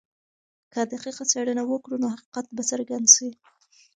که دقیقه څېړنه وکړو نو حقیقت به څرګند سي.